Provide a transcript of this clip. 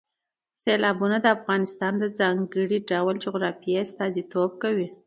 سیلابونه د افغانستان د ځانګړي ډول جغرافیه استازیتوب کوي.